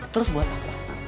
terus buat apa